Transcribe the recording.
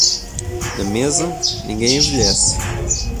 Na mesa, ninguém envelhece.